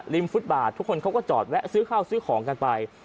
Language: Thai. ฟุตบาททุกคนเขาก็จอดแวะซื้อข้าวซื้อของกันไป